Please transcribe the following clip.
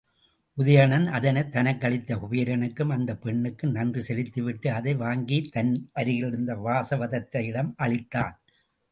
உதயணன் அதனைத் தனக்களித்த குபேரனுக்கும் அந்தப் பெண்ணுக்கும் நன்றி செலுத்திவிட்டு, அதை வாங்கித் தன் அருகிலிருந்த வாசவதத்தையிடம் அளித்தான்.